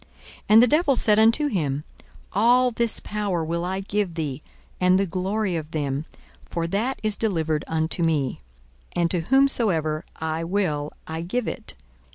42:004:006 And the devil said unto him, All this power will I give thee, and the glory of them: for that is delivered unto me; and to whomsoever I will I give it.